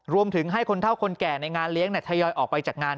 รวมถึงให้คนเท่าคนแก่ในงานเลี้ยงทยอยออกไปจากงาน